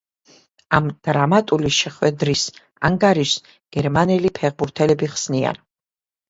ამ დრამატული შეხვედრის ანგარიშს გერმანელი ფეხბურთელები ხსნიან.